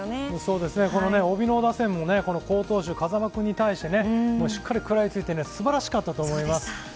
帯農打線も好投手、風間君に対してしっかりくらいついてすばらしかったです。